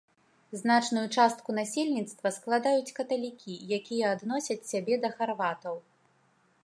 Значную частку насельніцтва складаюць каталікі, якія адносяць сябе да харватаў.